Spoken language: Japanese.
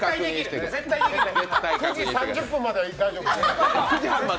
９時３０分までは大丈夫。